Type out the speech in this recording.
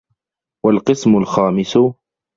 وَالْقِسْمُ الْخَامِسُ